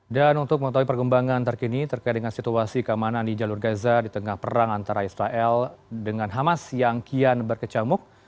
dan untuk mengetahui pergembangan terkini terkait dengan situasi keamanan di jalur gaza di tengah perang antara israel dengan hamas yang kian berkecamuk